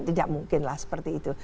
tidak mungkin lah seperti itu